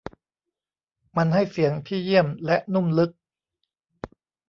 มันให้เสียงที่เยี่ยมและนุ่มลึก